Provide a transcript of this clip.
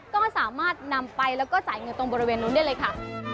ก็สามารถนำไปแล้วก็จ่ายเงินตรงบริเวณนู้นได้เลยค่ะ